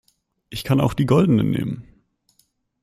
Ich kann auch die goldenen nehmen.